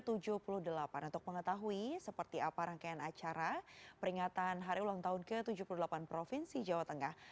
untuk mengetahui seperti apa rangkaian acara peringatan hari ulang tahun ke tujuh puluh delapan provinsi jawa tengah